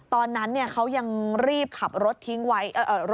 ตอนนั้นเขายังรีบขับรถทิ้งไว้